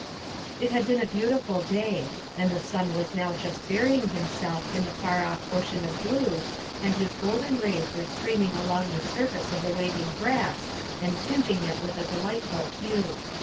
It had been a beautiful day, and the sun was now just burying himself in the far off ocean of blue, and his golden rays were streaming along the surface of the waving grass and tinging it with a delightful hue.